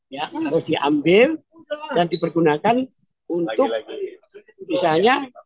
ya harus diambil dan dipergunakan untuk misalnya